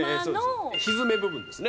ひづめ部分ですね。